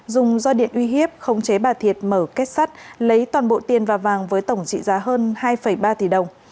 dùng do điện uy hiếp khống chế bà thiệt mở kết sắt lấy toàn bộ tiền và vàng với tổng trị giá hơn hai ba tỷ đồng